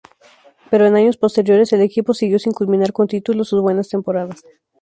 Pero en años posteriores el equipo siguió sin culminar con títulos sus buenas temporadas.